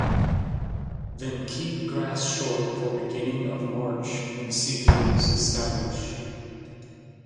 Then, keep grass short for beginning of March when seedlings establish.